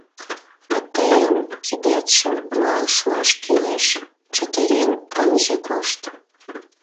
— А тыйын кидетшым руал шуаш кӱлеш, чытырен ынже кошт.